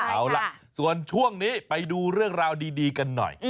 เอาล่ะส่วนช่วงนี้ไปดูเรื่องราวดีกันหน่อย